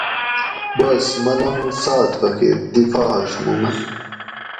بس ملنگ ساد فقیر دی فحش مُو مۤن